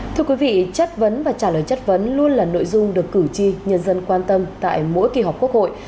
thưa quý vị chất vấn và trả lời chất vấn luôn là nội dung được cử tri nhân dân quan tâm tại mỗi kỳ họp quốc hội